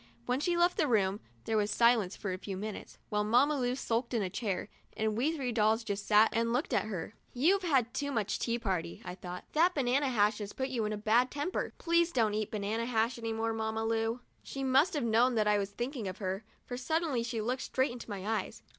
When she left the room, there was silence for a few minutes, while Mamma Lu sulked on a chair, and we three dolls just sat and looked at her. "You've had too much tea party," I thought. "That banana hash has put you in a bad temper. Please don't eat banana hash any more, Mamma Lu." She must have known that I was thinking of her, for suddenly she looked straight into my eyes.